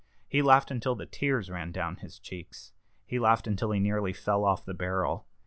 He laughed until the tears ran down his cheeks. He laughed until he nearly fell off the barrel.